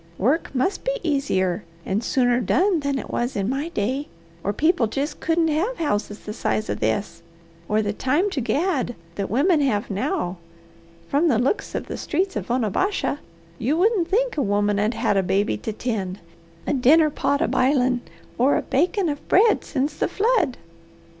"Work must be easier and sooner done than it was in my day, or people jest couldn't have houses the size of this or the time to gad that women have now. From the looks of the streets of Onabasha, you wouldn't think a woman 'ud had a baby to tend, a dinner pot a bilin', or a bakin' of bread sence the flood.